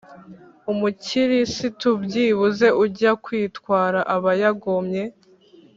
umukirisitu byibuze ujya kwitwara aba yagomye